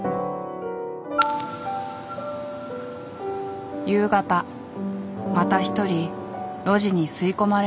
夕方また一人路地に吸い込まれていく人。